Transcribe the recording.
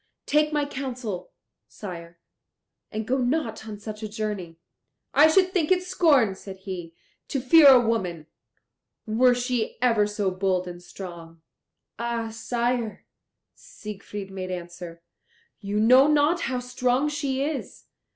Take my counsel, sire, and go not on such a journey." "I should think it scorn," said he, "to fear a woman, were she ever so bold and strong." "Ah, sire," Siegfried made answer, "you know not how strong she is.